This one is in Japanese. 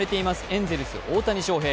エンゼルス・大谷翔平。